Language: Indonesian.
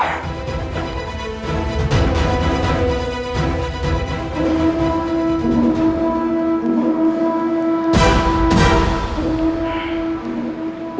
aku tidak apa apa